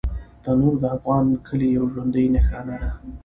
تنور د افغان کلي یوه ژوندي نښانه ده